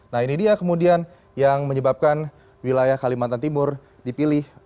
nah ini dia kemudian yang menyebabkan wilayah kalimantan timur dipilih